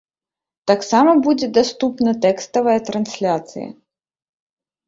Таксама будзе даступная тэкставая трансляцыя.